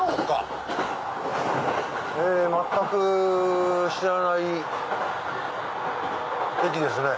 全く知らない駅ですね。